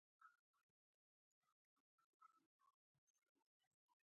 هغه ويلي وو چې تر شا ټولې بېړۍ به سوځوي.